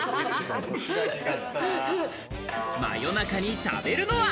夜中に食べるのは？